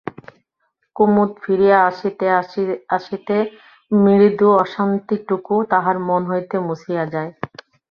কুমুদ ফিরিয়া আসিতে আসিতে মৃদু অশাস্তিটুকুও তাহার মন হইতে মুছিয়া যায়।